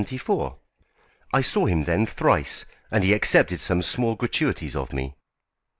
I saw him then thrice, and he accepted some small gratuities of me."